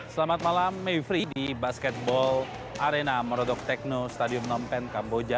selamat malam mayfrey di basketball arena morodok tekno stadium phnom penh kamboja